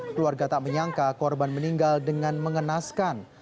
keluarga tak menyangka korban meninggal dengan mengenaskan